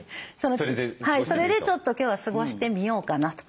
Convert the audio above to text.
それでちょっと今日は過ごしてみようかなと。